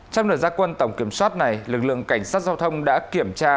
trong đợt gia quân tổng kiểm soát này lực lượng cảnh sát giao thông đã kiểm tra